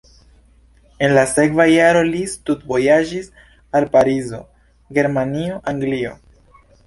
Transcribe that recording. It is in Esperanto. En la sekva jaro li studvojaĝis al Parizo, Germanio, Anglio.